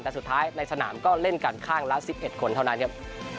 แต่สุดท้ายในสนามก็เล่นกันข้างละ๑๑คนเท่านั้นครับ